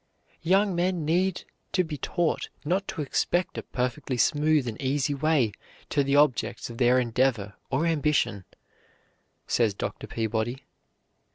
"Young men need to be taught not to expect a perfectly smooth and easy way to the objects of their endeavor or ambition," says Dr. Peabody.